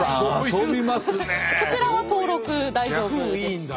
こちらは登録大丈夫でした。